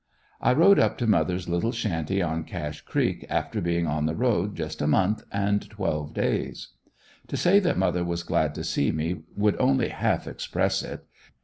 I rode up to mother's little shanty on Cashe's creek after being on the road just a month and twelve days. To say that mother was glad to see me would only half express it.